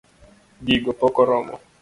Gigo pok oromo?